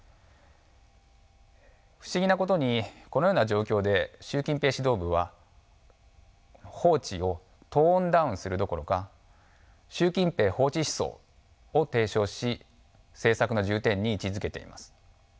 不思議なことにこのような状況で習近平指導部は法治をトーンダウンするどころか「習近平法治思想」を提唱し政策の重点に位置づけています。